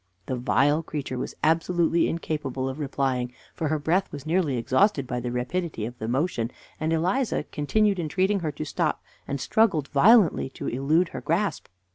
The vile creature was absolutely incapable of replying, for her breath was nearly exhausted by the rapidity of the motion, and Eliza continued entreating her to stop, and struggled violently to elude her grasp.